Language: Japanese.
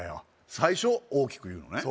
最初大きく言うのね